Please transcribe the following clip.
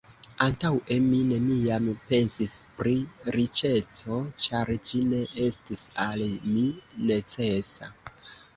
Antaŭe mi neniam pensis pri riĉeco, ĉar ĝi ne estis al mi necesa.